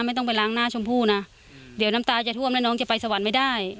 ไม่ต้องไปล้างหน้าชมพู่นะเดี๋ยวน้ำตาจะท่วมแล้วน้องจะไปสวรรค์ไม่ได้